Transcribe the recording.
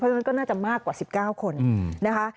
เพราะฉะนั้นก็น่าจะมากกว่า๑๙คนนะคะ